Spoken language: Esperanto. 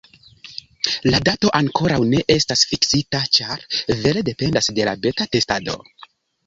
La dato ankoraŭ ne estas fiksita ĉar vere dependas de la beta testado